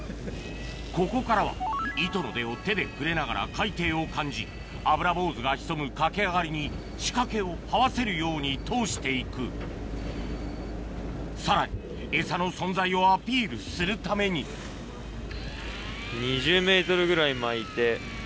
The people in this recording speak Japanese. ここからは糸の出を手で触れながら海底を感じアブラボウズが潜むかけあがりに仕掛けをはわせるように通して行くさらにエサの存在をアピールするために２０ｍぐらい巻いて。